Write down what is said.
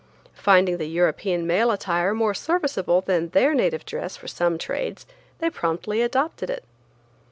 Finding the European male attire more serviceable than their native dress for some trades they promptly adopted it.